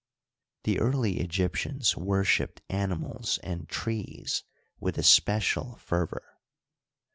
The early Egyp tians worshiped animals and trees with especial fervor.